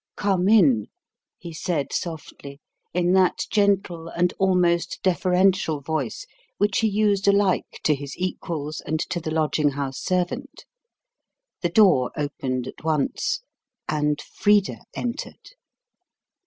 "Come in," he said softly, in that gentle and almost deferential voice which he used alike to his equals and to the lodging house servant. The door opened at once, and Frida entered.